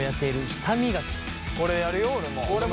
これやるよ俺も。